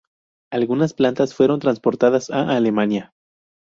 Algunas plantas fueron transportadas a Alemania.